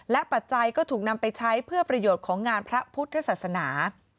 ปัจจัยก็ถูกนำไปใช้เพื่อประโยชน์ของงานพระพุทธศาสนา